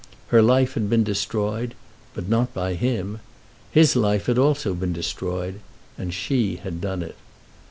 Her life had been destroyed, but not by him. His life had also been destroyed, and she had done it.